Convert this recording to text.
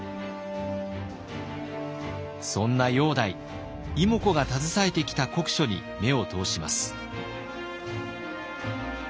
そんな煬帝妹子が携えてきた国書に目を通します。